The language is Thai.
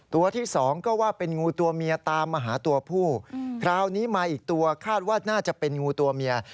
ตัวที่สองก็ว่าเป็นงูตัวเมียตามมาหาตัวผู้คราวนี้มาอีกตัวคาดว่าน่าจะเป็นงูตัวเมีย